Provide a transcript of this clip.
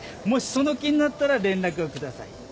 もしその気になったら連絡をください。